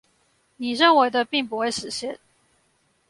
你認為的並不會實現